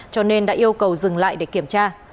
cho nên đã yêu cầu dừng lại để kiểm tra